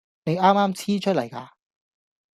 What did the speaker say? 你啱啱黐出嚟㗎